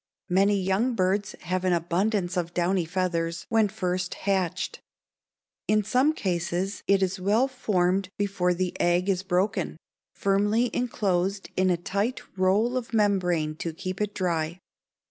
Many young birds have an abundance of downy feathers when first hatched. In some cases it is well formed before the egg is broken, firmly enclosed in a tight roll of membrane to keep it dry.